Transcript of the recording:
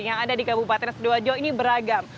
yang ada di kabupaten sidoarjo ini beragam